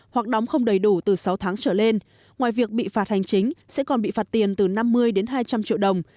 hoặc đóng không đầy đủ từ sáu tháng trở lên ngoài việc bị phạt hành chính sẽ còn bị phạt tiền từ năm mươi đến hai trăm linh triệu đồng